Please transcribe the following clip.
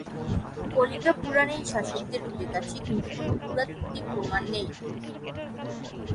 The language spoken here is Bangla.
কালিকা পুরাণে এই শাসকদের উল্লেখ আছে কিন্তু কোনো পুরাতাত্ত্বিক প্রমাণ নেই।